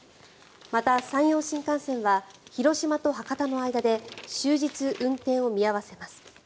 また、山陽新幹線は広島と博多の間で終日、運転を見合わせます。